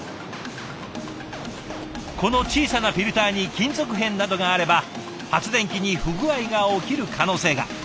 この小さなフィルターに金属片などがあれば発電機に不具合が起きる可能性が。